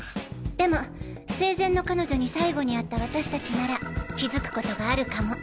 でも生前の彼女に最後に会った私たちなら気づくことがあるかも。